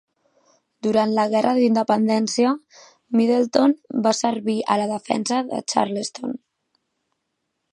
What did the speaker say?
Durant la Guerra d'Independència, Middleton va servir a la defensa de Charleston.